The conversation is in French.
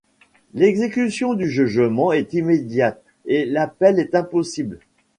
L’exécution du jugement est immédiate et l’appel est impossible.